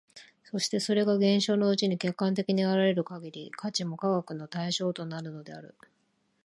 そしてそれが現象のうちに客観的に現れる限り、価値も科学の対象となるのである。